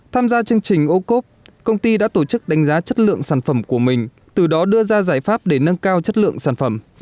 tham gia chương trình ô cốp công ty đã tổ chức đánh giá chất lượng sản phẩm của mình từ đó đưa ra giải pháp để nâng cao chất lượng sản phẩm